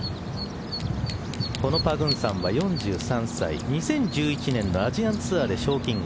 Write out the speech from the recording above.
このパグンサンは４３歳２０１１年のアジアンツアーで賞金王。